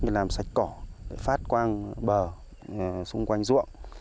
như làm sạch cỏ phát quang bờ xung quanh ruộng